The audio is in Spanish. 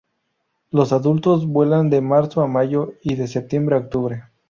Los adultos vuelan de marzo a mayo y de septiembre a octubre.